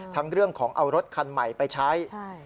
เรื่องของเอารถคันใหม่ไปใช้